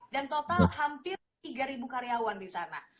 dan total hampir tiga ribu karyawan di sana